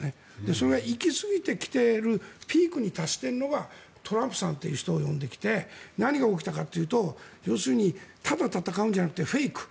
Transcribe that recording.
それが行きすぎてきているピークに達しているのがトランプさんという人を呼んできて何が起きたかというと要するにただ戦うんじゃなくてフェイク。